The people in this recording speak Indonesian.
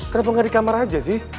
kenapa nggak di kamar aja sih